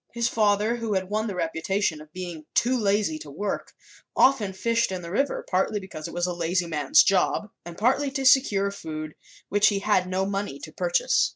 His father, who had won the reputation of being too lazy to work, often fished in the river, partly because it was "a lazy man's job" and partly to secure food which he had no money to purchase.